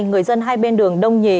người dân hai bên đường đông nhì